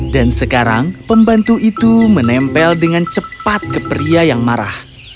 dan sekarang pembantu itu menempel dengan cepat ke pria yang marah